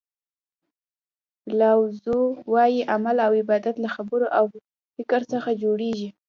لاو زو وایي عمل او عادت له خبرو او فکر څخه جوړیږي.